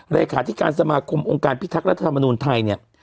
เลขาธิการสมาคมองค์การพิทักษ์รัฐธรรมนูลไทยเนี่ย